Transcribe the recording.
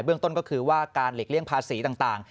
เรื่องต้นก็คือว่าการหลีกเลี่ยงภาษีต่าง